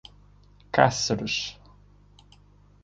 Cáceres